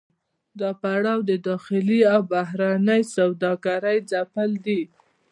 دا پړاو د داخلي او بهرنۍ سوداګرۍ ځپل دي